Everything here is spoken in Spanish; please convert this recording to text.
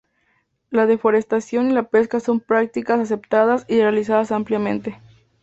La deforestación y la pesca son prácticas aceptadas y realizadas ampliamente.